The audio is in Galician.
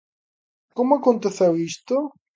Como aconteceu isto?